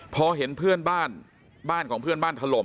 พอเห็นเพื่อนบ้านบ้านของเพื่อนบ้านถล่ม